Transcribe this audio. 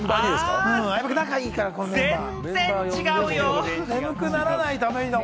全然違うよ。